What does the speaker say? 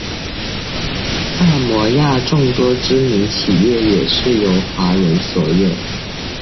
萨摩亚众多知名企业也是由华人所有。